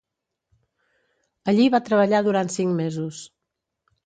Allí va treballar durant cinc mesos.